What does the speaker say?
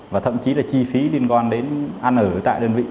và thậm chí là chi phí liên quan đến ăn ở tại đơn vị